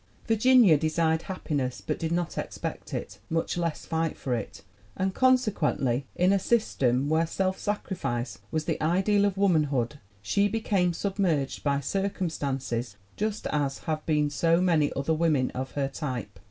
"Virginia desired happiness, but did not expect it, much less fight for it, and consequently in a system where self sacrifice was the ideal of womanhood she became submerged by circumstances just as have been so many other women of her type.